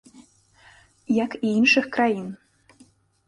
Як і іншых краін.